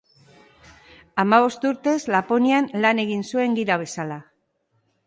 Hamabost urtez Laponian lan egin zuen gida bezala.